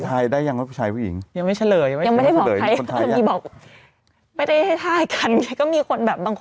พี่ออยก่อนหนูแห้งเงินประมาณเกือบเดือนนึง